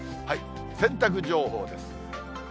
洗濯情報です。